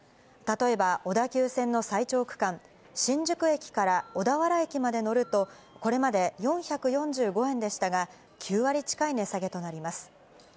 例えば、小田急線の最長区間、新宿駅から小田原駅まで乗るとこれまで４４５円でしたが、９割近い値下げとなります。